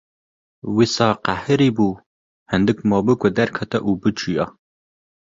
Wisa qehirîbû, hindik mabû ku derketa û biçûya.